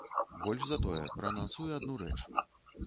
Больш за тое, праанансую адну рэч.